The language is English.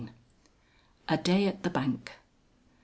XIX. A DAY AT THE BANK.